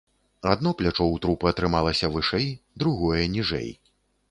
Адно плячо ў трупа трымалася вышэй, другое ніжэй.